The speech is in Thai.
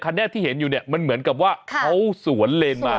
ที่เห็นอยู่เนี่ยมันเหมือนกับว่าเขาสวนเลนมา